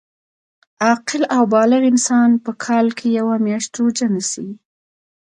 عاقل او بالغ انسان په کال کي یوه میاشت روژه نیسي